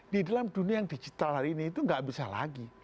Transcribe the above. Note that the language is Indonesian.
di dalam dunia yang digital hari ini itu nggak bisa lagi